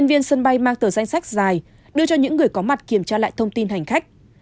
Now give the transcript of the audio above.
đang tờ danh sách dài đưa cho những người có mặt kiểm tra lại thông tin hành khách